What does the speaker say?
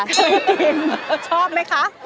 เคยกินชอบไหมคะ